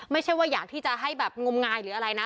ไม่ใช่ว่าอยากที่จะให้แบบงมงายหรืออะไรนะ